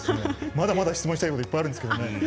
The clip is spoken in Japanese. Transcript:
まだまだ質問したいこといっぱいあるんですけどね。